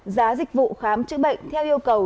giá dịch vụ khám chữa bệnh theo yêu cầu